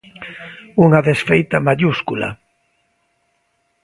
Unha desfeita maiúscula.